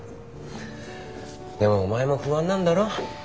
でもお前も不安なんだろ？